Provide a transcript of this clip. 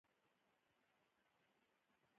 دا ځمکې د قهوې کښت لپاره ډېرې مناسبې وې.